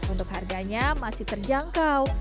untuk harganya masih terjangkau